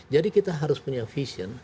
jadi kita harus punya vision